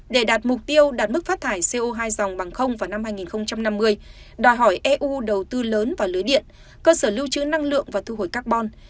để đạt mục tiêu đạt mức phát thải co hai dòng bằng không vào năm hai nghìn năm mươi đòi hỏi eu đầu tư lớn vào lưới điện cơ sở lưu trữ năng lượng và thu hồi carbon